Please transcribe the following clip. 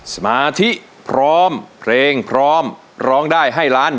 สมาธิพร้อมเพลงพร้อมร้องได้ให้ล้าน